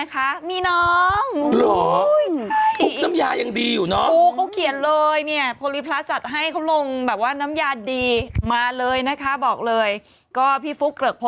คุณพี่จะเป็นผู้จัดแล้วเหรอ